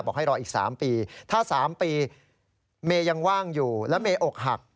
บอกให้รออีก๓ปีถ้า๓ปีเมย์ยังว่างอยู่แล้วเมอกหัก